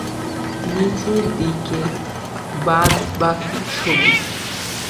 নিচের দিকে বাদবাকি সবুজ।